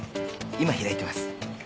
今開いてます。